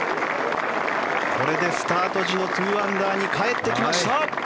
これでスタート時の２アンダーに帰ってきました。